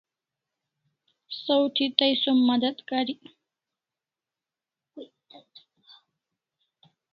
Saw thi tai som madat karik